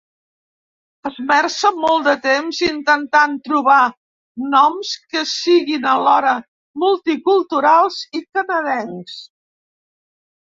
Esmerça molt de temps intentant trobar noms que siguin alhora multiculturals i canadencs.